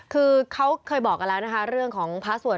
คือเขาเคยบอกกันแล้วนะคะเรื่องของพระสวด